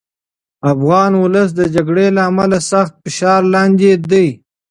افغان ولس د جګړې له امله سخت فشار لاندې دی.